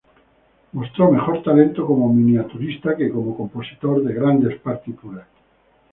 Mostró mejor talento como miniaturista que como compositor de grandes partituras.